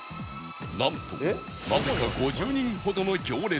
なんとなぜか５０人ほどの行列が